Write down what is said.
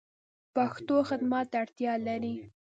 پښتو خدمت ته اړتیا لری